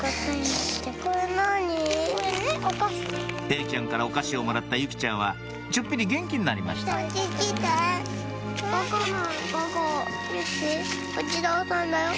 絵理ちゃんからお菓子をもらった由季ちゃんはちょっぴり元気になりましたまだよ！